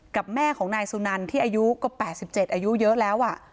กับแม่ของนายสุนันที่อายุกว่าแปดสิบเจ็ดอายุเยอะแล้วอ่ะ